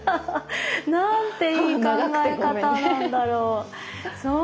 なんていい考え方なんだろう。